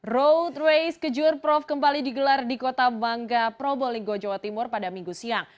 road race kejuara prof kembali digelar di kota bangga probolinggo jawa timur pada minggu siang